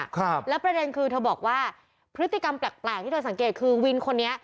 ครับแล้วประเด็นคือเธอบอกว่าพฤติกรรมแปลกแปลกที่เธอสังเกตคือวินคนนี้